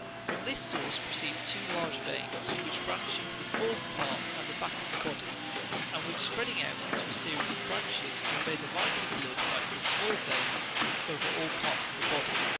From this source proceed two large veins, which branch into the fore part and the back of the body, and which, spreading out in a series of branches, convey the vital blood by other smaller veins over all parts of the body.